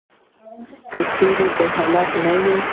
چیرې چې جهالت نه وي.